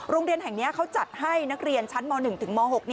โรงเรียนแห่งนี้เขาจัดให้นักเรียนชั้นม๑ถึงม๖